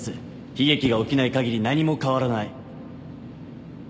悲劇が起きないかぎり何も変わらない